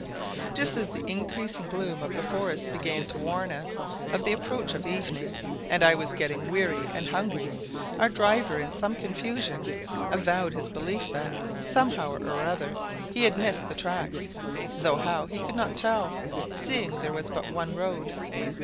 Just as the increasing gloom of the forest began to warn us of the approach of evening, and I was getting weary and hungry, our driver, in some confusion, avowed his belief that, somehow or other, he had missed the track, though how, he could not tell, seeing there was but one road.